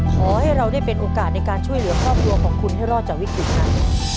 ขอให้เราได้เป็นโอกาสในการช่วยเหลือครอบครัวของคุณให้รอดจากวิกฤตนั้น